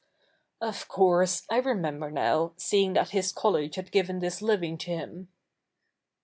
Of course — I remember now, seeing that his college had given this living to him.'